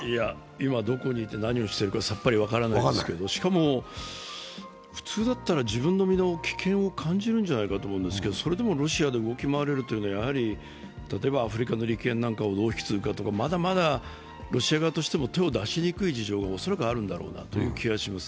今どこにいて何をしているか、さっぱり分からないですけど、しかも、普通だったら自分の身の危険を感じるんじゃないかと思いますがそれでもロシアで動き回れるというのは例えばアフリカの利権なんかをどう引き継ぐかなどまだまだロシア側としても手を出しにくい事情があるんだろうなと思います。